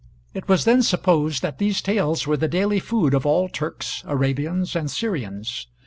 It was then supposed that these tales were the daily food of all Turks, Arabians, and Syrians.